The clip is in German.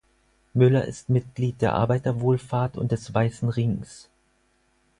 Müller ist Mitglied der Arbeiterwohlfahrt und des Weißen Rings.